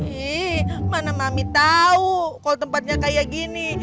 ih mana mami tau kalo tempatnya kayak gini